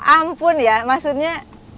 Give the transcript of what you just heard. ampun ya maksudnya